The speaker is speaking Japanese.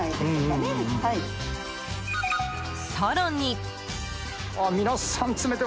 更に。